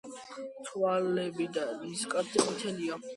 თვალები და ნისკარტი ყვითელია.